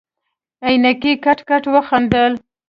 عينکي کټ کټ وخندل.